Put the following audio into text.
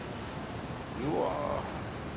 うわ。